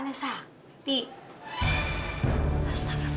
nah ini dia nih majalahnya nih